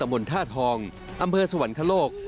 อำเภอสวรรคโลก